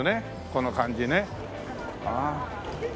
この感じねああ。